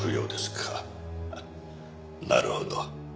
なるほど。